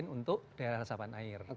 untuk daerah tesepan air